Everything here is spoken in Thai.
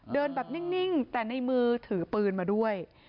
เดินแบบนิ่งแต่ในมือถือปืนมาด้วย